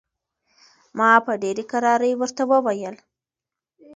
ما په ډېرې کرارۍ ورته وویل.